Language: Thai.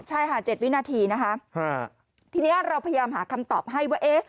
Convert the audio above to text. ใช่ค่ะ๗วินาทีนะคะทีนี้เราพยายามหาคำตอบให้ว่าเอ๊ะ